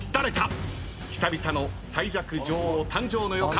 久々の最弱女王誕生の予感鈴木保奈美。